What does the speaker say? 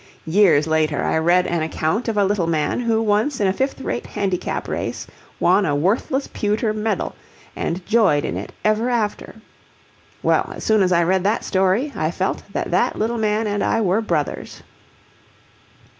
Years later I read an account of a little man who once in a fifth rate handicap race won a worthless pewter medal and joyed in it ever after. Well, as soon as I read that story I felt that that little man and I were brothers.